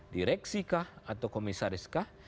direksikah atau komisariskah